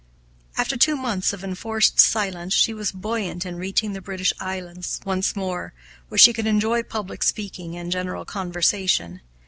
After two months of enforced silence, she was buoyant in reaching the British Islands once more, where she could enjoy public speaking and general conversation.